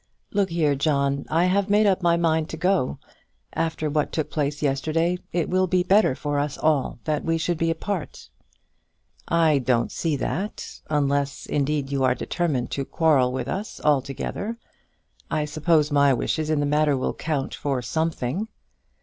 Look here, John; I have made up my mind to go. After what took place yesterday, it will be better for us all that we should be apart." "I don't see that, unless, indeed, you are determined to quarrel with us altogether. I suppose my wishes in the matter will count for something."